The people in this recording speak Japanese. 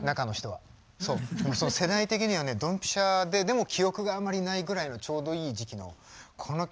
世代的にはどんぴしゃででも記憶があんまりないぐらいのちょうどいい時期のこの曲。